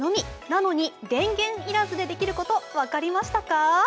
なのに電源要らずでできること分かりましたか？